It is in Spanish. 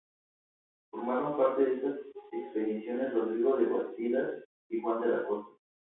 Formaron parte de estas expediciones Rodrigo de Bastidas y Juan de la Cosa.